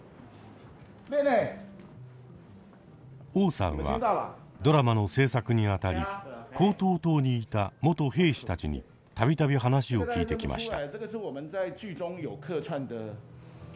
汪さんはドラマの制作にあたり高登島にいた元兵士たちに度々話を聞いてきました。